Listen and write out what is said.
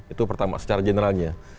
itu pertama secara generalnya